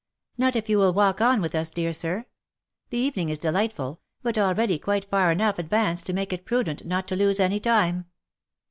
" Not if you will walk on with us, dear sir. The evening is delight ful, but already quite far enough advanced to make it prudent not to lose any time."